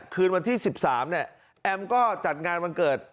คืนวันที่๑๓เนี่ยแอมก็จัดงานวันเกิด